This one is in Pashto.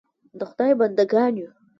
د خدای بنده ګان یو .